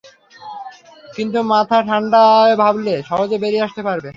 কিন্তু ঠান্ডা মাথায় ভাবলে সহজে বেরিয়ে আসতে পারবে।